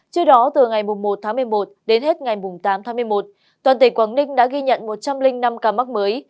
trước đó từ ngày một tháng một mươi một đến hết ngày tám tháng một mươi một toàn tỉnh quảng ninh đã ghi nhận một trăm linh năm ca mắc mới